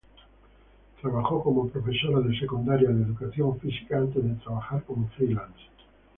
Trabajó como profesora de secundaria de educación física antes de trabajar como freelance.